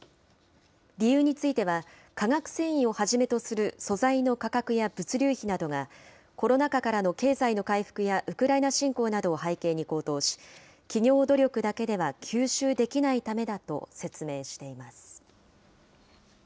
理由については、化学繊維をはじめとする素材の価格や物流費などが、コロナ禍からの経済の回復やウクライナ侵攻などを背景に高騰し、企業努力だけでは吸収できないためだと説明しています。